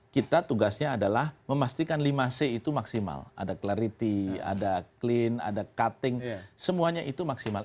kita tugasnya adalah memastikan lima c itu maksimal ada clarity ada clean ada cutting semuanya itu maksimal